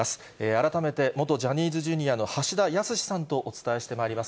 改めて元ジャニーズＪｒ．の橋田康さんとお伝えしてまいります。